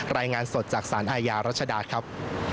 รายงานสดจากสารอาญารัชดาครับ